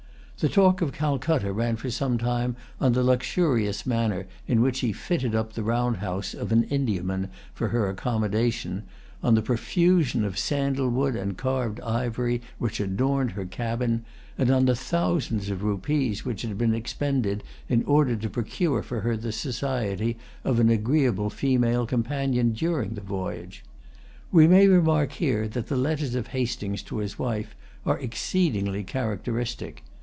The talk of Calcutta ran for some time on the luxurious manner in which he fitted up the round house of an Indiaman for her accommodation, on the profusion of sandal wood and carved ivory which adorned her cabin, and on the thousands of rupees which had been expended in order to procure for her the society of an agreeable female companion during the voyage. We may remark here that the letters of Hastings to his wife are exceedingly characteristic.